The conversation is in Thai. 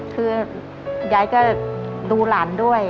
คือยายก็ดูหลานด้วย